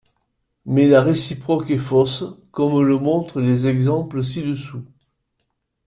Mais la réciproque est fausse, comme le montrent les exemples ci-dessous.